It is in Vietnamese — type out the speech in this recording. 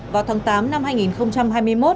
vào tháng tám năm hai nghìn hai mươi một